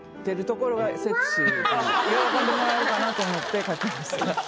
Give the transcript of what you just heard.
喜んでもらえるかなと思って描きました。